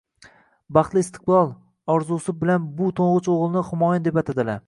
Baxtli istiqbol orzusi bilan bu toʻngʻich oʻgʻilni Humoyun deb atadilar.